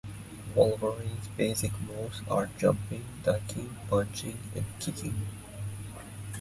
Wolverine's basic moves are jumping, ducking, punching, and kicking.